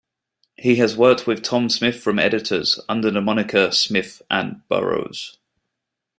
He has worked with Tom Smith from Editors under the moniker "Smith and Burrows".